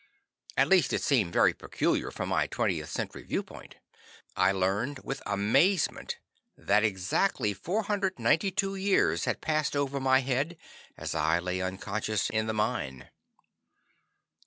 At least it seemed very peculiar from my 20th Century viewpoint. I learned with amazement that exactly 492 years had passed over my head as I lay unconscious in the mine.